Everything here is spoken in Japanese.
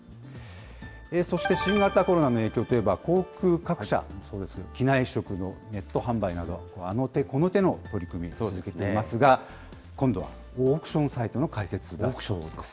そして新型コロナの影響といえば、航空各社、機内食のネット販売など、あの手この手の取り組み、続けていますが、今度はオークションサイトの開設です。